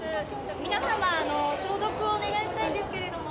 皆様消毒をお願いしたいんですけれども。